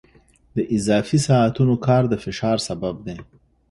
د اضافي ساعتونو کار د فشار سبب دی.